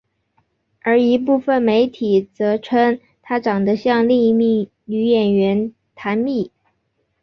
而一部分媒体则称她长得像另一名女演员坛蜜。